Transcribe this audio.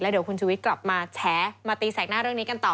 เดี๋ยวคุณชุวิตกลับมาแฉมาตีแสกหน้าเรื่องนี้กันต่อ